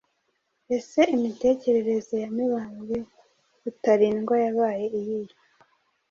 Ese imitegekere ya Mibambwe Rutalindwa yabaye iyihe?